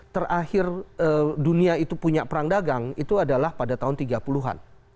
terakhir dunia itu punya perang dagang itu adalah pada tahun tiga puluh an